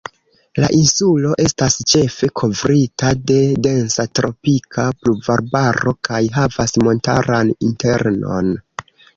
La insulo estas ĉefe kovrita de densa tropika pluvarbaro kaj havas montaran internon.